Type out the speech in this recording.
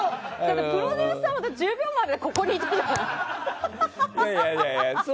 プロデューサーが１０秒前までここにいたんだから。